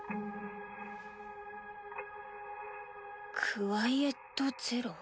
「クワイエット・ゼロ」？